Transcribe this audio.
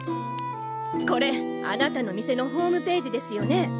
これあなたの店のホームページですよね？